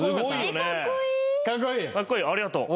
ありがとう。